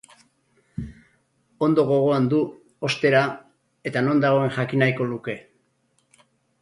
Ondo gogoan du, ostera, eta non dagoen jakin nahiko luke.